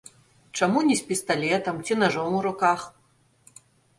Чаму не з пісталетам ці нажом у руках?